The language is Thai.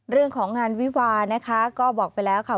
เรื่องของงานวิวานะคะก็บอกไปแล้วค่ะ